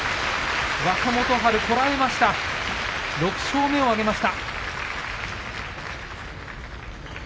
若元春こらえました６勝目を挙げました。